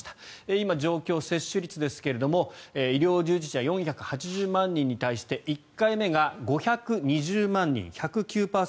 今、状況、接種率ですが医療従事者４８０万人に対して１回目が５２０万人、１０９％。